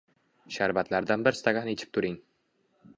Sharbatlardan bir stakan ichib turing.